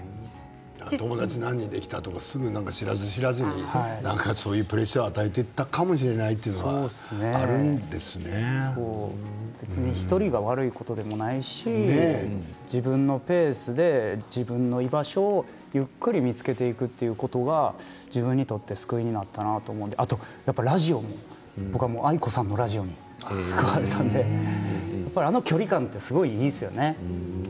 友達何人できたとか知らず知らずにプレッシャーを与えていたかもしれないっていうのが１人が悪いことでもないし自分のペースで自分の居場所をゆっくり見つけていくということが自分にとって救いになったなとあとはやっぱりラジオ、僕はａｉｋｏさんのラジオで救われたのであの距離感はすごくいいですよね。